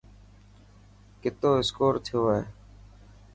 ڪتو اسڪور ٿيو هي.